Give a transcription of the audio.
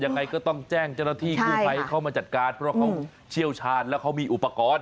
ใครก็ต้องแจ้งเจ้าหน้าที่เข้ามาจัดการเพราะเขาเชี่ยวชาญและเขามีอุปกรณ์